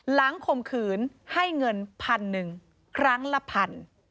ข่มขืนให้เงินพันหนึ่งครั้งละพัน